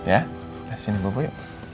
ya sini bobo yuk